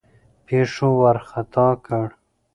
پیښو وارخطا کړ.